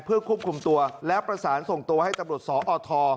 เพื่อควบคุมตัวและประสานส่งตัวให้ตำรวจสอท